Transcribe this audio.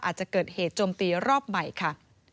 อาจจะเกิดเหตุโจมตีรอบใหม่ค่ะ